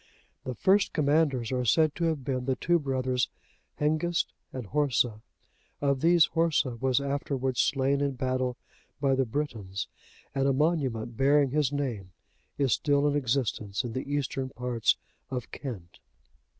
The first commanders are said to have been the two brothers Hengist and Horsa. Of these Horsa was afterwards slain in battle by the Britons,(88) and a monument, bearing his name, is still in existence in the eastern parts of Kent.